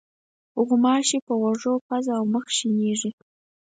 غوماشې په غوږ، پوزه او مخ شېنېږي.